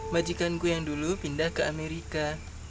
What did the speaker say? majikanku yang dulu pindah ke amerika